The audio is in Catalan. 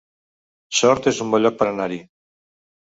Sort es un bon lloc per anar-hi